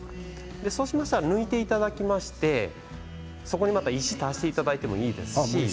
そうしましたら抜いていただきまして石を出していただいてもいいです。